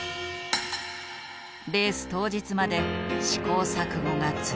レース当日まで試行錯誤が続く。